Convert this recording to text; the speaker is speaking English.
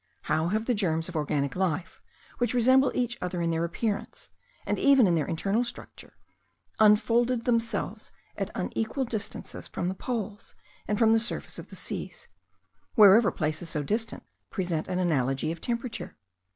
How have the germs of organic life, which resemble each other in their appearance, and even in their internal structure, unfolded themselves at unequal distances from the poles and from the surface of the seas, wherever places so distant present any analogy of temperature?